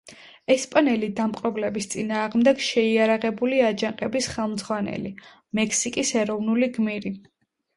ესპანელი დამპყრობლების წინააღმდეგ შეიარაღებული აჯანყების ხელმძღვანელი, მექსიკის ეროვნული გმირი.